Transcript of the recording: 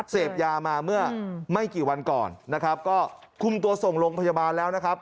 เสพยามาเมื่อไม่กี่วันก่อนนะครับก็คุมตัวส่งโรงพยาบาลแล้วนะครับ